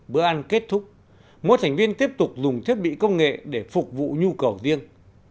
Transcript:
bữa ăn kết thúc mỗi thành viên tiếp tục dùng thiết bị công nghệ để phục vụ nhu cầu riêng